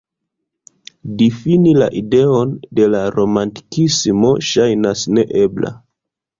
Difini la ideon de la romantikismo ŝajnas neebla.